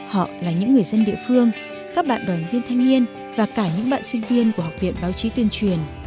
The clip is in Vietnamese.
họ là những người dân địa phương các bạn đoàn viên thanh niên và cả những bạn sinh viên của học viện báo chí tuyên truyền